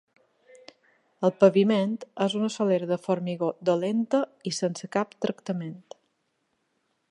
El paviment és una solera de formigó dolenta i sense cap tractament.